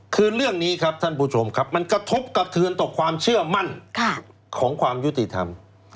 คือเรื่องนี้ครับท่านผู้ชมครับมันกระทบกระเทือนต่อความเชื่อมั่นของความยุติธรรม